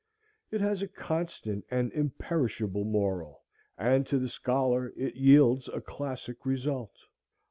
It has a constant and imperishable moral, and to the scholar it yields a classic result.